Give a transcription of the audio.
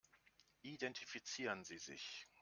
Identifizieren Sie sich.